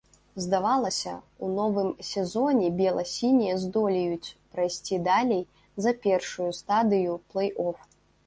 Здавалася, у новым сезоне бела-сінія здолеюць прайсці далей за першую стадыю плэй-оф.